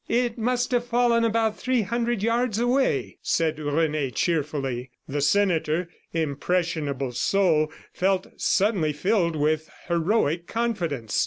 "It must have fallen about three hundred yards away," said Rene cheerfully. The senator, impressionable soul, felt suddenly filled with heroic confidence.